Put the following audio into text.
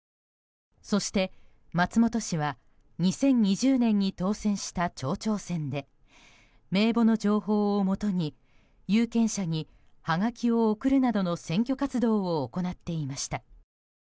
そして松本氏は２０２０年に当選した町長選で名簿の情報をもとに有権者にはがきを送るなどの選挙活動を行っていました。